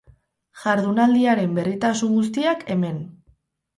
Jardunaldiaren berritasun guztiak, hemen.